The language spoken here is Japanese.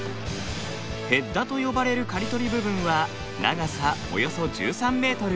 ヘッダと呼ばれる刈り取り部分は長さおよそ１３ｍ。